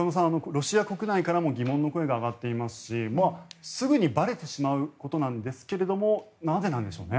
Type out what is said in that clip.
ロシア国内からも疑問の声が上がっていますしすぐにばれてしまうことなんですけどなぜなんでしょう。